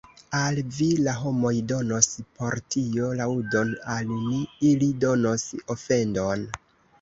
Al vi la homoj donos por tio laŭdon, al ni ili donos ofendon.